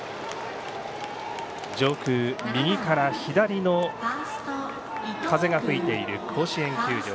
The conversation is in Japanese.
上空、右から左の風が吹いている甲子園球場。